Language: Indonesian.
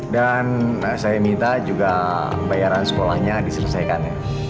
dan saya minta juga bayaran sekolahnya diselesaikan